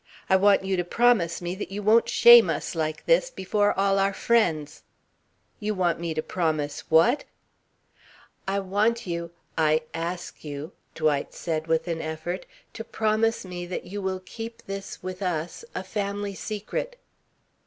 I want you to promise me that you won't shame us like this before all our friends." "You want me to promise what?" "I want you I ask you," Dwight said with an effort, "to promise me that you will keep this, with us a family secret."